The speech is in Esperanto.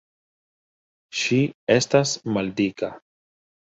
Ŝi estas maldika.